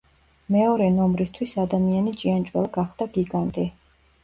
მეორე ნომრისთვის ადამიანი ჭიანჭველა გახდა გიგანტი.